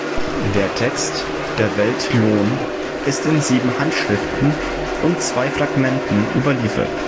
Der Text „Der Welt Lohn“ ist in sieben Handschriften und zwei Fragmenten überliefert.